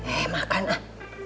eh makan ah